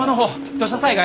土砂災害。